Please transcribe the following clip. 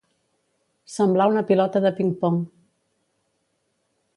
Semblar una pilota de ping-pong.